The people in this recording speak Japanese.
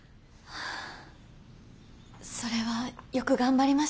それはよく頑張りましたね。